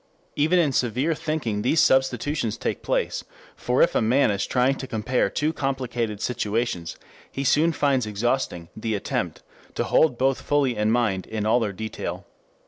Even in severe thinking these substitutions take place, for if a man is trying to compare two complicated situations, he soon finds exhausting the attempt to hold both fully in mind in all their detail.